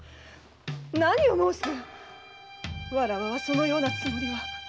何を申す⁉わらわはそのようなつもりは。